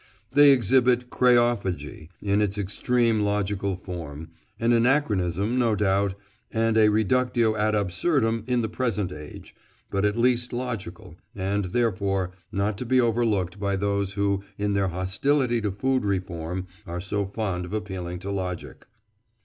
They exhibit kreophagy in its extreme logical form—an anachronism, no doubt, and a reductio ad absurdum in the present age—but at least logical, and, therefore, not to be overlooked by those who, in their hostility to food reform, are so fond of appealing to logic.